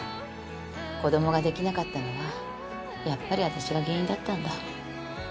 子供ができなかったのはやっぱり私が原因だったんだ。